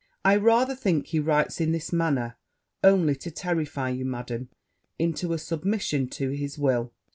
I rather think he writes in this manner only to terrify you, Madam, into a submission to his will.